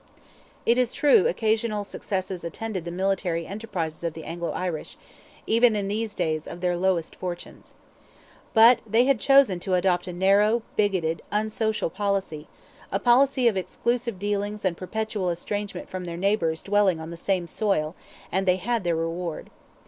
It is true occasional successes attended the military enterprises of the Anglo Irish, even in these days of their lowest fortunes. But they had chosen to adopt a narrow, bigoted, unsocial policy; a policy of exclusive dealing and perpetual estrangement from their neighbours dwelling on the same soil, and they had their reward.